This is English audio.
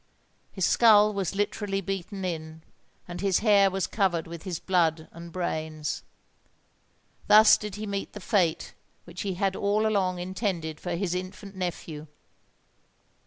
His skull was literally beaten in, and his hair was covered with his blood and brains! Thus did he meet the fate which he had all along intended for his infant nephew.